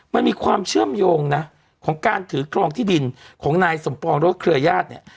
มันมีความเชื่อมโยงนะของการถือครองที่ดินของนายสมปองหรือว่าเครือญาติเนี่ย